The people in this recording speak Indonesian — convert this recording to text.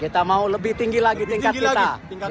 kita mau lebih tinggi lagi tingkat kita